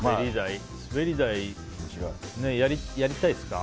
滑り台、やりたいですか？